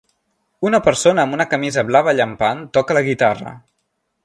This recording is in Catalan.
Una persona amb una camisa blava llampant toca la guitarra.